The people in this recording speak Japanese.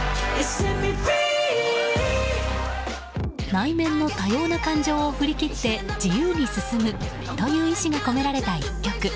内面の多様な感情を振り切って自由に進むという意志が込められた１曲。